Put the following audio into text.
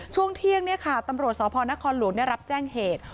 ช่วงเที่ยงตำรวจสพนครหลวงได้รับแจ้งเหตุ